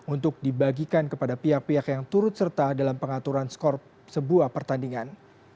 untuk dibagikan kepada pihak pihak yang turut serta dalam pengaturan skor sebuah pertandingan